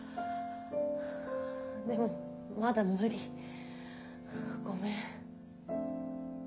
でもまだ無理ごめん。